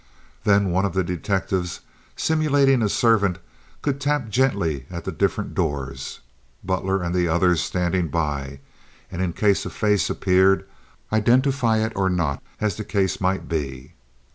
Then one of the detectives simulating a servant could tap gently at the different doors—Butler and the others standing by—and in case a face appeared identify it or not, as the case might be.